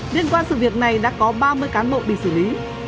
liên quan sự việc này đã có ba mươi cán bộ bị xử lý